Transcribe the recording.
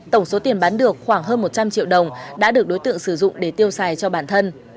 tổng số tiền bán được khoảng hơn một trăm linh triệu đồng đã được đối tượng sử dụng để tiêu xài cho bản thân